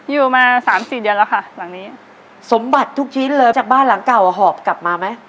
อยู่มาสามสี่เดือนแล้วค่ะหลังนี้สมบัติทุกชิ้นเลยจากบ้านหลังเก่าอ่ะหอบกลับมาไหม